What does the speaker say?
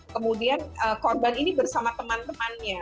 kemudian korban ini bersama teman temannya